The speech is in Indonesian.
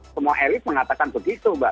semua elit mengatakan begitu mbak